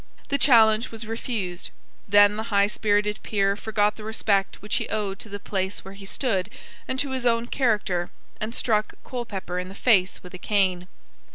The challenge was refused. Then the high spirited peer forgot the respect which he owed to the place where he stood and to his own character, and struck Colepepper in the face with a cane.